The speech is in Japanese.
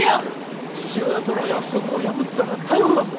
父親との約束を破ったら逮捕だぞ。